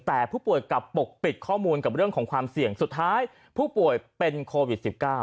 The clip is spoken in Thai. แต่ผู้ป่วยกลับปกปิดข้อมูลกับเรื่องของความเสี่ยงสุดท้ายผู้ป่วยเป็นโควิด๑๙